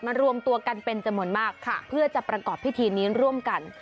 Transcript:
รวมตัวกันเป็นจำนวนมากค่ะเพื่อจะประกอบพิธีนี้ร่วมกัน